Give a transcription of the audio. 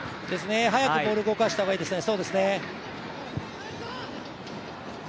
速くボールを動かした方がいいですね。